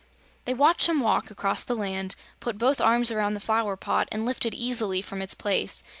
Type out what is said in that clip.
They watched him walk across the land, put both arms around the flower pot and lift it easily from its place.